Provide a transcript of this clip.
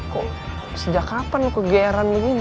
kok sejak kapan kegeeran begini